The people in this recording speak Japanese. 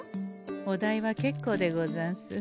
お代は結構でござんす。